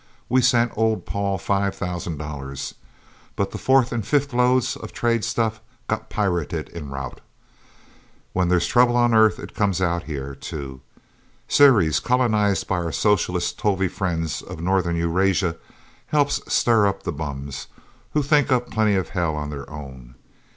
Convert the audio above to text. We sent old Paul five thousand dollars. But the fourth and fifth loads of trade stuff got pirated en route. When there's trouble on Earth, it comes out here, too. Ceres, colonized by our socialist Tovie friends of northern Eurasia, helps stir up the bums, who think up plenty of hell on their own.